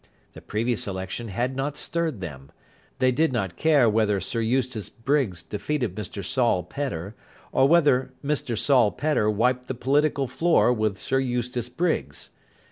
The previous election had not stirred them. They did not care whether Sir Eustace Briggs defeated Mr Saul Pedder, or whether Mr Saul Pedder wiped the political floor with Sir Eustace Briggs.